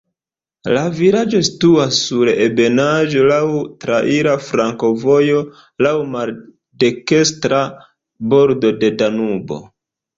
La vilaĝo situas sur ebenaĵo, laŭ traira flankovojo, laŭ maldekstra bordo de Danubo.